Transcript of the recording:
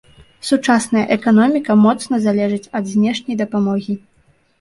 Сучасная эканоміка моцна залежыць ад знешняй дапамогі.